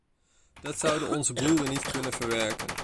Dat zouden onze boeren niet kunnen verwerken.